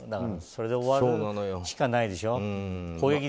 それで終わるしかないでしょ。